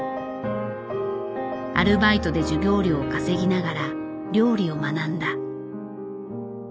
アルバイトで授業料を稼ぎながら料理を学んだ。